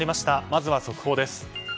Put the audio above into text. まずは速報です。